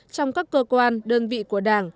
trong các cơ quan đơn vị của đảng